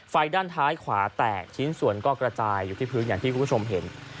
ไฟด้านท้ายขวาแตกชิ้นส่วนก็กระจายอยู่ที่พื้นอย่างที่คุณผู้ชมเห็น